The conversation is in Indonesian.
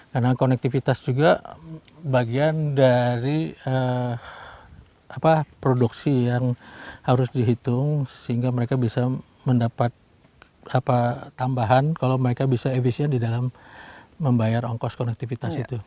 karena konektivitas juga bagian dari produksi yang harus dihitung sehingga mereka bisa mendapat tambahan kalau mereka bisa efisien di dalam membayar ongkos konektivitas itu